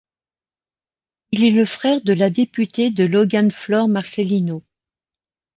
Il est le frère de la députée de Logan Flor Marcelino.